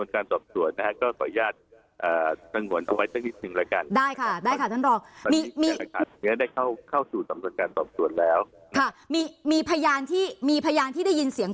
ก็ขออนุญาตส่งหมวนเอาไว้สักทีจนึง